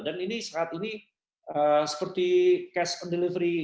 jadi saat ini seperti cash on delivery